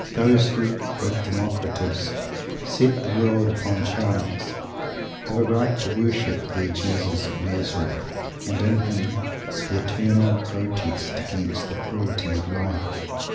Those who, "with Democritus, set the world upon Chance" have a right to worship their Jesus of Nazareth, and, in him, the Eternal Protest against the Cruelty of Life.